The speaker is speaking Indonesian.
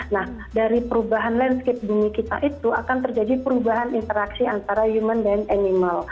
nah dari perubahan landscape bumi kita itu akan terjadi perubahan interaksi antara human dan animal